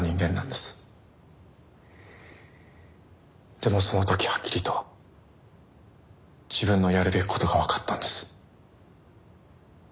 でもその時はっきりと自分のやるべき事がわかったんです。